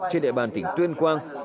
trên địa bàn tỉnh tuyên quang